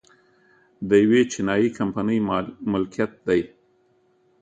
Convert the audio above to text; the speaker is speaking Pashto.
د یوې چینايي کمپنۍ ملکیت دی